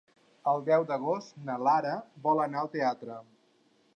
El deu d'agost na Lara vol anar al teatre.